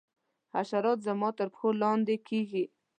حشرات زما تر پښو لاندي کیږي.